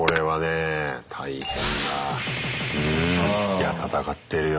いや闘ってるよ。